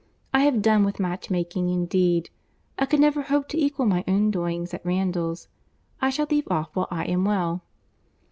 I have done with match making indeed. I could never hope to equal my own doings at Randalls. I shall leave off while I am well."